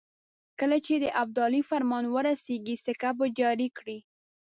کله چې د ابدالي فرمان ورسېږي سکه به جاري کړي.